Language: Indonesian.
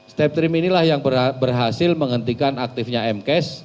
step trim inilah yang berhasil menghentikan aktifnya m cache